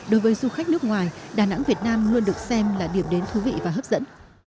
đối với du khách nước ngoài đà nẵng việt nam luôn được xem là điểm đến thú vị và hấp dẫn